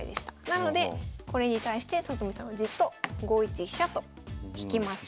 なのでこれに対して里見さんはじっと５一飛車と引きます。